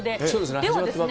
そうですね。